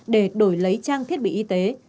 để đổi lấy trang thiết bị y tế